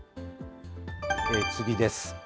次です。